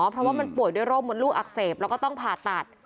เพราะว่ามันป่วยด้วยโรคมดลูกอักเสบแล้วก็ต้องผ่าตัด